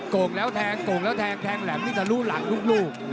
โก่งแล้วแทงโก่งแล้วแทงแทงแหลมนี่ทะลุหลังลูก